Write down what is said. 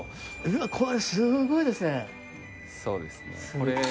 うわ、これすごいですね。